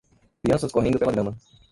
Crianças correndo pela grama.